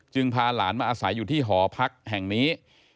พาหลานมาอาศัยอยู่ที่หอพักแห่งนี้